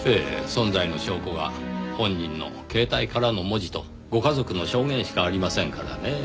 存在の証拠が本人の携帯からの文字とご家族の証言しかありませんからねぇ。